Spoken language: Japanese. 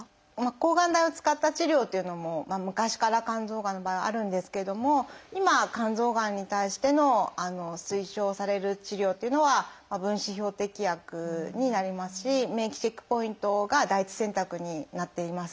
抗がん剤を使った治療というのも昔から肝臓がんの場合はあるんですけれども今は肝臓がんに対しての推奨される治療というのは分子標的薬になりますし免疫チェックポイントが第一選択になっています。